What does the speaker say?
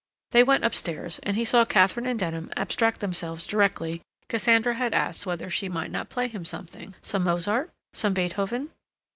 They went upstairs and he saw Katharine and Denham abstract themselves directly Cassandra had asked whether she might not play him something—some Mozart? some Beethoven?